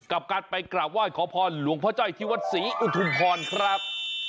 กับการไปกราบไหว้ขอพรหลวงพ่อจ้อยที่วัดศรีอุทุมพรครับ